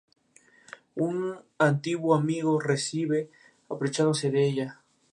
Un antiguo amigo la recibe, aprovechándose de ella.